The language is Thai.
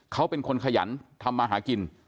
เขาเป็นคนขยันทำมาหากิน